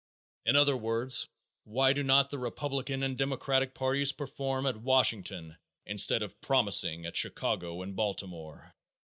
In other words, why do not the Republican and Democratic parties perform at Washington instead of promising at Chicago and Baltimore?